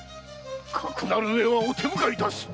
かくなる上はお手向かい致す！